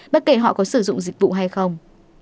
bất kể họ có sử dụng dịch vụ hay không